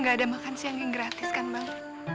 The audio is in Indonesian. gak ada makan siang yang gratis kan bang